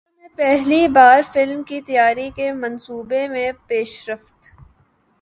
خلا میں پہلی بار فلم کی تیاری کے منصوبے میں پیشرفت